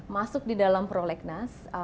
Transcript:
masuk di dalam prolegnas